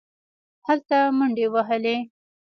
هلته منډې وهلې.